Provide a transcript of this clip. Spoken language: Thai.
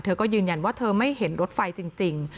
เธอก็ยืนยันว่าเธอไม่เห็นรถไฟจริง